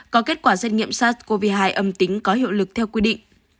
có kết quả xét nghiệm sars cov hai âm tính có hiệu lực theo quy định